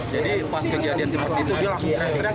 jadi pas kejadian seperti itu dia langsung teriak teriak